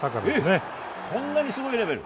え、そんなにすごいレベル？